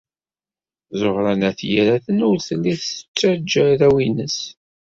Ẓuhṛa n At Yiraten ur telli tettajja arraw-nnes.